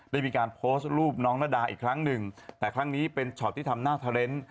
ได้มีการโพสต์รูปน้องนาดาอีกครั้งหนึ่งแต่ครั้งนี้เป็นช็อตที่ทำหน้าเทอร์เน้น